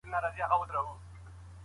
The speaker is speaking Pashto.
ته په کوم روغتون کې د کار کولو اراده لرې؟